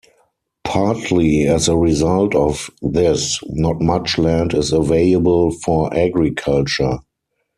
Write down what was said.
Partly as a result of this, not much land is available for agriculture.